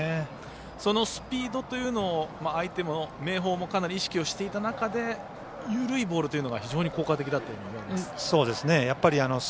そのスピードというのを相手の明豊も意識をしていた中で緩いボールというのが非常に効果的だったと思います。